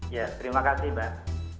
ya terima kasih mbak